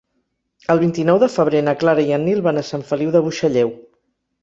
El vint-i-nou de febrer na Clara i en Nil van a Sant Feliu de Buixalleu.